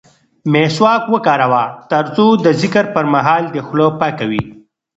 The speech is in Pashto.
مسواک وکاروه ترڅو د ذکر پر مهال دې خوله پاکه وي.